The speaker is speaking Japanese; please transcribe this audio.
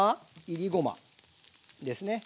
いりごまですね。